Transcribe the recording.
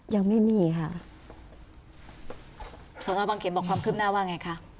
ยังไม่มีค่ะสอนอบังเขนบอกความคืบหน้าว่าไงคะ